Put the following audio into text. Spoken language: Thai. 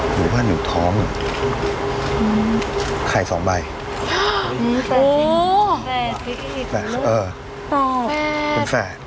หนูว่าหนูท้องอืมไข่สองใบอ๋อแฟนพี่แฟนเป็นแฟน